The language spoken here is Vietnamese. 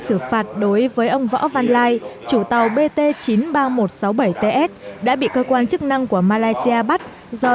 xử phạt đối với ông võ văn lai chủ tàu bt chín mươi ba nghìn một trăm sáu mươi bảy ts đã bị cơ quan chức năng của malaysia bắt do